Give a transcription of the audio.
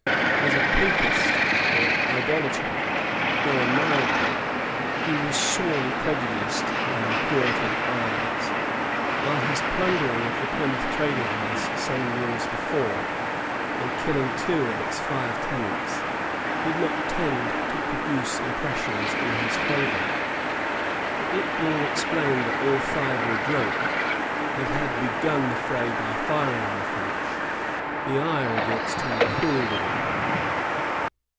As a "papist" or "idolater," though a mild one, he was sorely prejudiced in Puritan eyes, while his plundering of the Plymouth trading house some years before, and killing two of its five tenants, did not tend to produce impressions in his favor; but it being explained that all five were drunk, and had begun the fray by firing on the French, the ire against him cooled a little.